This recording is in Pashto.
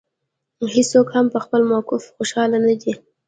هېڅوک هم په خپل موقف خوشاله نه دی.